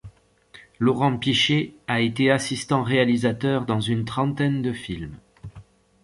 Laurent Piché a été assistant réalisateur dans une trentaine de films.